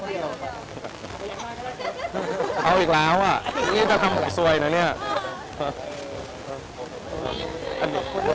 เอาอีกแล้วอ่ะนี่จะทำหอยซวยนะเนี่ย